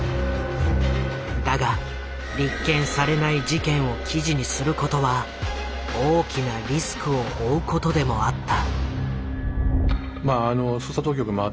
だが立件されない事件を記事にすることは大きなリスクを負うことでもあった。